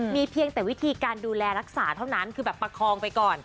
มีเพียงแต่วิธีการดูแลรักษาเท่านั้นคือแบบประคองไปก่อน